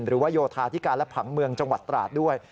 โยธาธิการและผังเมืองจังหวัดตราดด้วย